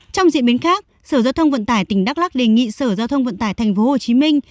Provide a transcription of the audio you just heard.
trong diễn biến khác sở giao thông vận tải tỉnh đắk lắc đề nghị sở giao thông vận tải thành phố hồ chí minh